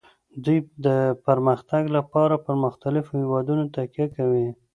دوی د پرمختګ لپاره په پرمختللو هیوادونو تکیه کوي